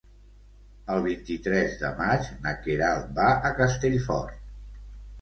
El vint-i-tres de maig na Queralt va a Castellfort.